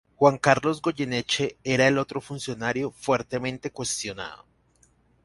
Juan Carlos Goyeneche, era el otro funcionario fuertemente cuestionado.